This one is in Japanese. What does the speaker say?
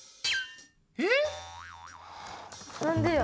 えっ？